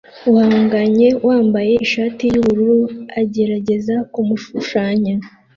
uhanganye wambaye ishati yubururu agerageza kumushushanya